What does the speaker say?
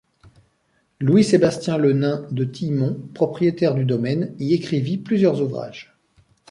Louis-Sébastien Le Nain de Tillemont, propriétaire du domaine, y écrivit plusieurs ouvrages.